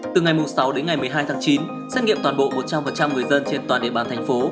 từ ngày sáu đến ngày một mươi hai tháng chín xét nghiệm toàn bộ một trăm linh người dân trên toàn địa bàn thành phố